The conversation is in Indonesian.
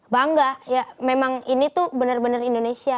bangga ya memang ini tuh bener bener indonesia